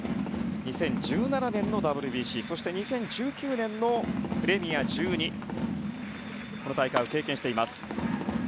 ２０１７年のＷＢＣそして２０１９年のプレミア１２でその大会を経験しています。